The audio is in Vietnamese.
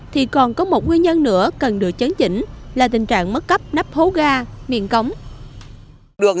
thì còn có một nguyên nhân nữa cần được chấn chỉnh là tình trạng mất cấp nắp hố ga miệng cống